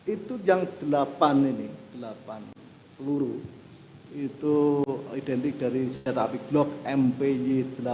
itu yang delapan ini delapan peluru itu identik dari senjata api glock mpy delapan ratus lima puluh satu